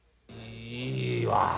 いいわ。